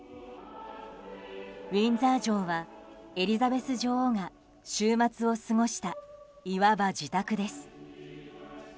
ウィンザー城はエリザベス女王が週末を過ごしたいわば自宅です。